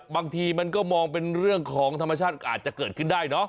บางทีมันก็มองเป็นเรื่องของธรรมชาติก็อาจจะเกิดขึ้นได้เนอะ